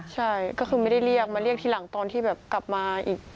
ใช่ก็คือไม่ได้เรียกมาเรียกทีหลังตอนที่แบบกลับมาอีก